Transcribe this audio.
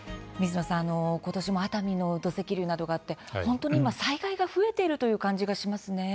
ことしも熱海の土石流などがあり災害が増えているという感じがしますね。